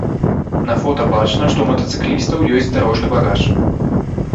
На фота бачна, што ў матацыклістаў ёсць дарожны багаж.